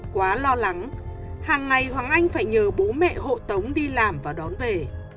quá lo lắng hàng ngày hoàng anh phải nhờ bố mẹ hộ tống đi làm và đón về